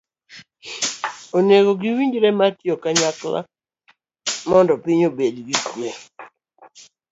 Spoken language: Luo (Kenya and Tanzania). Onego giwinjre mar tiyo kanyakla mondo piny obed gi kwe.